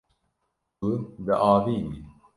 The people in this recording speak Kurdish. Tu diavînî.